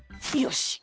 よし。